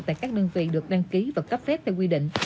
tại các đơn vị được đăng ký và cấp phép theo quy định